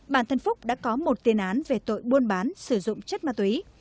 bản thân phúc đã có một tiền án về tội buôn bán sử dụng chất ma túy